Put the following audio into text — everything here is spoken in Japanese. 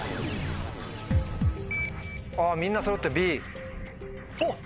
みんなそろってＢ！